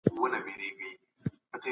دا د هغې د زیار او پوهې انعام دی.